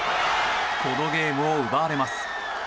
このゲームを奪われます。